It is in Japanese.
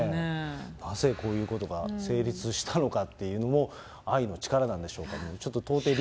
なぜこういうことが成立したのかっていうのも、愛の力なんでしょうかね。